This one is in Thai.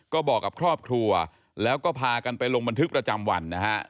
ก็บอกกับครอบครัวแล้วก็พากันไปลงบันทึกประจำวันนะฮะ